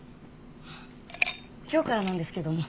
今日からなんですけども。